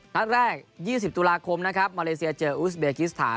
นัดแรก๒๐ตุลาคมนะครับมาเลเซียเจออุสเบกิสถาน